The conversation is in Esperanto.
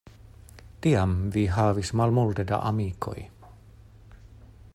Tiam vi havis malmulte da amikoj?